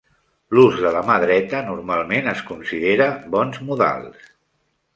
L'ús de la ma dreta normalment es considera bons modals.